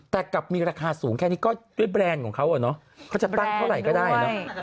แตกกับมีราคาสูงแค่นี้ก็ด้วยแบรนด์ของเค้าแน่เค้าจะตั้งเท่าไรก็ได้